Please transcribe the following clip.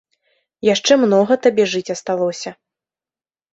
Яшчэ многа табе жыць асталося.